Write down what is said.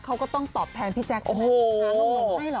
เขาก็ต้องตอบแทนพี่แจ๊คค่ะ